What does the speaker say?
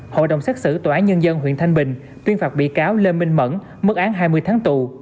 hội đồng xét xử tòa án nhân dân huyện thanh bình tuyên phạt bị cáo lê minh mẫn mức án hai mươi tháng tù